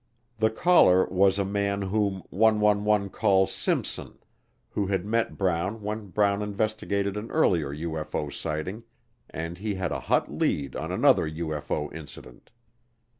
The caller was a man whom 111 call Simpson, who had met Brown when Brown investigated an earlier UFO sighting, and he had a hot lead on another UFO incident.